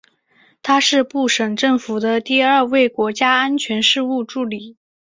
他是布什政府的第二位国家安全事务助理。